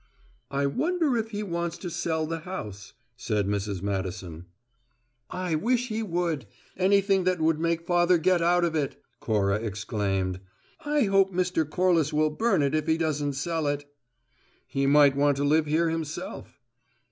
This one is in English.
"I wonder if he wants to sell the house," said Mrs. Madison. "I wish he would. Anything that would make father get out of it!" Cora exclaimed. "I hope Mr. Corliss will burn it if he doesn't sell it." "He might want to live here himself."